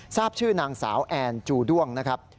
ทราบชื่อนางสาวแอนจูด้วงนะครับ